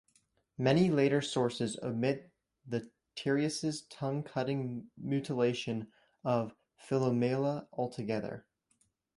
Many later sources omit the Tereus' tongue-cutting mutilation of Philomela altogether.